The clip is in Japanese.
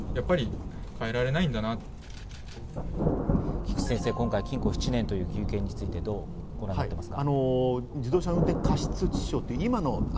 菊地先生、今回、禁錮７年という求刑についてどうご覧になっていますか？